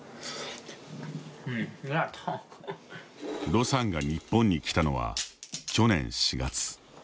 盧さんが日本に来たのは去年４月。